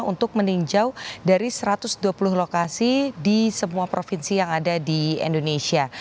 untuk meninjau dari satu ratus dua puluh lokasi di semua provinsi yang ada di indonesia